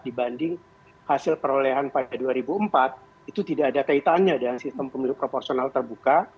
dibanding hasil perolehan pada dua ribu empat itu tidak ada kaitannya dengan sistem pemilu proporsional terbuka